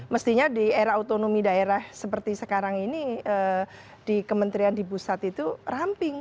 mestinya di era otonomi daerah seperti sekarang ini di kementerian di pusat itu ramping